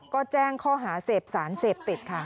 ก็แจ้งข้อหาเสพสารเสพติดค่ะ